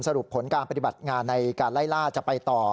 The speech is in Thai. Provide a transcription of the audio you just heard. ผลการปฏิบัติงานในการไล่ล่าจะไปต่อ